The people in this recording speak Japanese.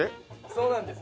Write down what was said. そうなんです。